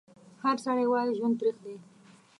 هر سړی وایي ژوند تریخ دی